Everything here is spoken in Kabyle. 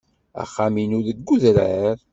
Axxam-inu deg udrar.